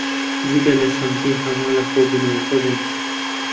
جگە لە شەمزین هەمووان لە کۆبوونەوەکە بوون.